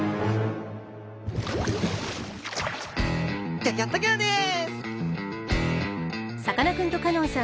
ギョギョッと号です！